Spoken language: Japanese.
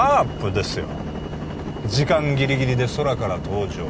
ですよ時間ギリギリで空から登場